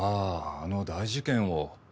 あの大事件を。